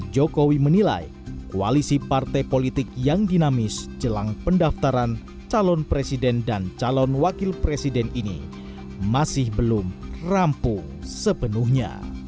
jokowi menilai koalisi partai politik yang dinamis jelang pendaftaran calon presiden dan calon wakil presiden ini masih belum rampu sepenuhnya